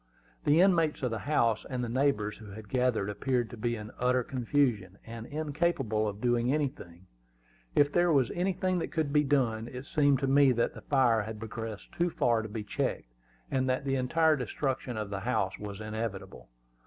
The inmates of the house and the neighbors who had gathered appeared to be in utter confusion, and incapable of doing anything, if there was anything that could be done. It seemed to me that the fire had progressed too far to be checked, and that the entire destruction of the house was inevitable.